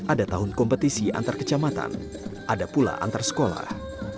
ada tahun kompetisi antar kecamatan ada pula antar sekolah